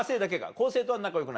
昴生とは仲良くないの？